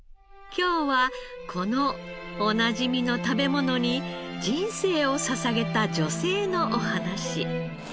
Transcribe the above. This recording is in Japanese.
今日はこのおなじみの食べ物に人生を捧げた女性のお話。